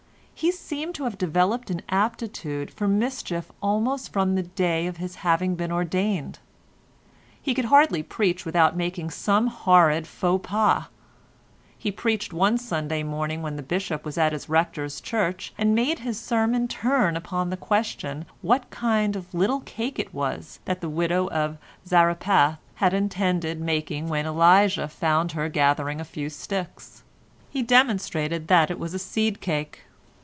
He seemed to have developed an aptitude for mischief almost from the day of his having been ordained. He could hardly preach without making some horrid faux pas. He preached one Sunday morning when the Bishop was at his Rector's church, and made his sermon turn upon the question what kind of little cake it was that the widow of Zarephath had intended making when Elijah found her gathering a few sticks. He demonstrated that it was a seed cake.